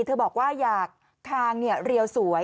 เธอบอกว่าอยากคางเรียวสวย